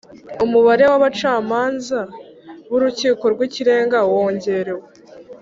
Umubare w abacamanza b Urukiko rw Ikirenga wongerewe